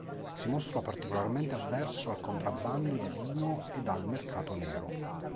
Si mostrò particolarmente avverso al contrabbando di vino ed al mercato nero.